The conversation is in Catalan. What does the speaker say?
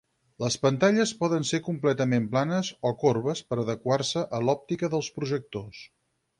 Les pantalles poden ser completament planes o corbes per adequar-se a l'òptica dels projectors.